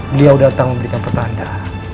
beliau datang memberikan pertanda